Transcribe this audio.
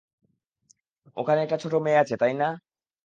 ওখানে একটা ছোট মেয়ে আছে, তাই না?